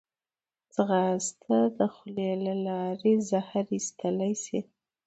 ځغاسته د خولې له لارې زهر ایستلی شي